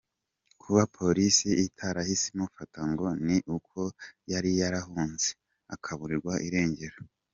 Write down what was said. Kuba polisi itarahise imufata ngo ni uko yari yarahunze, akaburirwa irengero.